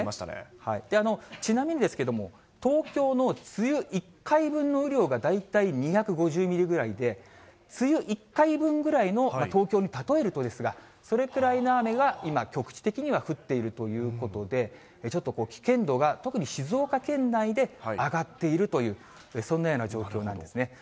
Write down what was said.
で、ちなみにですけれども、東京の梅雨１回分の雨量が大体２５０ミリぐらいで、梅雨１回分くらいの、東京に例えるとですが、それくらいの雨が今、局地的には降っているということで、ちょっと危険度が特に静岡県内で上がっているという、そんなような状況なんですね。